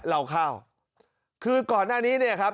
เราเข้าคือก่อนหน้านี้เนี่ยครับ